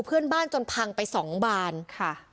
เพื่อนบ้านจนพังไปสองบานค่ะ